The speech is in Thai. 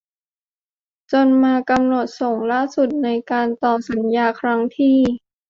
จนมากำหนดล่าสุดในการต่อสัญญาครั้งที่